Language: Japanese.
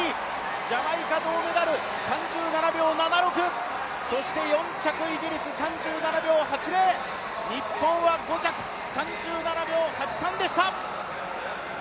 ジャマイカ銅メダル３７秒７６そして４着イギリス３７秒８０、日本は５着、３７秒８３でした。